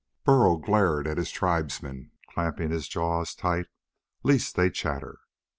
Burl glared at his tribesmen, clamping his jaws tight lest they chatter.